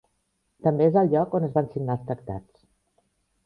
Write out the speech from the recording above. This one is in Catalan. També és el lloc on es van signar els tractats.